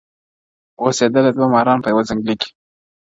اوسېدله دوه ماران يوه ځنگله كي!!